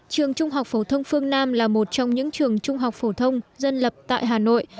trường trung học phổ thông phương nam là một trong những trường trung học phổ thông dân lập tại hà nội